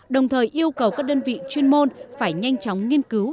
đồng thời yêu cầu các đơn vị chuyên môn phải nhanh chóng nghiên cứu